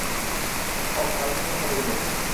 অহ, ফালতু কথা বইলেননা।